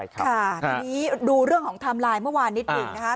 ค่ะทีนี้ดูเรื่องของไทม์ไลน์เมื่อวานนิดหนึ่งนะคะ